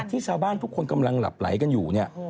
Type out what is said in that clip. ที่ชาวบ้านทุกคนกำลังหลับไหลกันอยู่เนี่ย